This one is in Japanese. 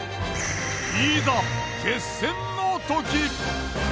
いざ決戦のとき！